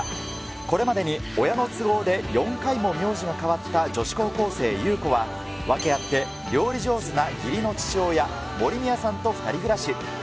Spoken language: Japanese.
これまでに親の都合で４回も名字が変わった女子高校生、優子は、訳あって、料理上手な義理の父親、森宮さんと２人暮らし。